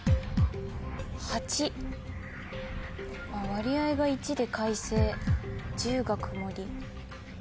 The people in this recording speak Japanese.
割合が１で快晴１０がくもり。